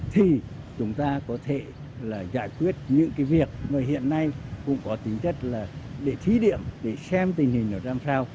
thì chúng ta có thể giải quyết những việc hiện nay cũng có tính chất là để thí điểm để xem tình hình nó làm sao